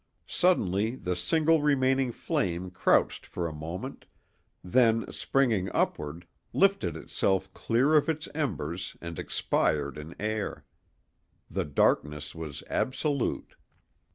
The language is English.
Suddenly the single remaining flame crouched for a moment, then, springing upward, lifted itself clear of its embers and expired in air. The darkness was absolute.